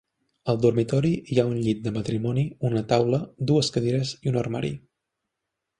Al dormitori hi ha un llit de matrimoni, una taula, dues cadires i un armari.